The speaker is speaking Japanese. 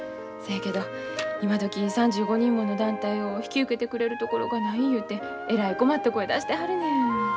そやけど今どき３５人もの団体を引き受けてくれる所がない言うてえらい困った声出してはるねん。